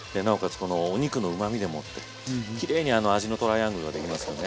このお肉のうまみでもってきれいに味のトライアングルが出来ますよね。